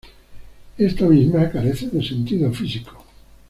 Esta misma, carece de sentido físico.